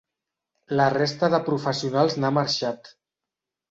La resta de professionals n'ha marxat.